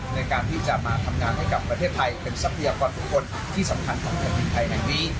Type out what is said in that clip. ในการที่จะมาทำงานให้กับประเทศไทยเป็นทรัพยากรบุคคลที่สำคัญของแผ่นดินไทยแห่งนี้